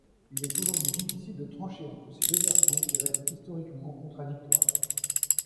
Il est aujourd'hui difficile de trancher entre ces deux versions qui restent historiquement contradictoires.